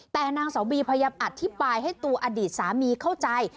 แต่นางสาวบีพยายามอธิบายให้ตัวอดีตสามีเข้าใจ